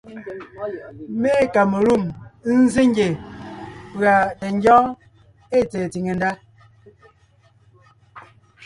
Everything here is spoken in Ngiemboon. Mé ée kamelûm nzsé ngie pʉ̀a tɛ ngyɔ́ɔn ée tsɛ̀ɛ tsìŋe ndá: